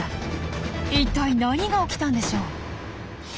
一体何が起きたんでしょう？